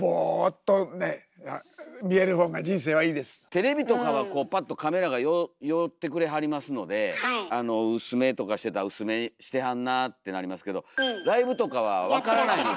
テレビとかはパッとカメラが寄ってくれはりますので薄目とかしてたら「薄目してはんな」ってなりますけどライブとかは分からないので。